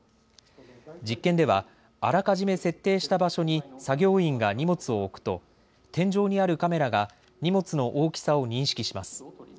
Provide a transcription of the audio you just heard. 実験ではあらかじめ設定した場所に作業員が荷物を置くと天井にあるカメラが荷物の大きさを認識します。